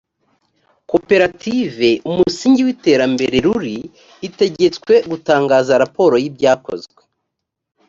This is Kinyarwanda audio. koperative umusingi w iterambere ruli itegetswe gutangaza raporo yibyakozwe